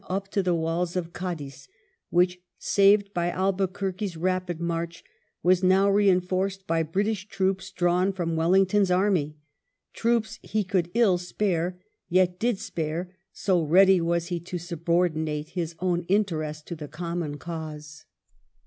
up to the walls of Cadiz, which, saved by Albuquerque's rapid march, was now reinforced by British troops drawn from Wellington's army — ^troops he could ill spare, yet did spare, so ready was he to subordinate his own interests to the common dEiuse.